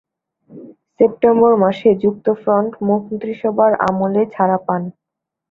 September মাসে যুক্তফ্রন্ট মন্ত্রীসভার আমলে ছাড়া পান।